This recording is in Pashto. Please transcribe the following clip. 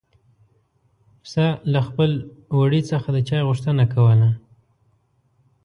پسه له خپل وړي څخه د چای غوښتنه کوله.